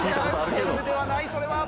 ペルーではないそれは。